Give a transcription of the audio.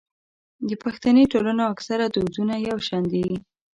د پښتني ټولنو اکثره دودونه يو شان دي.